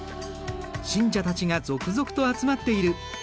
信者たちが続々と集まっている。